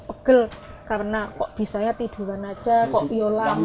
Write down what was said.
pegel karena kok bisa ya tiduran aja kok viola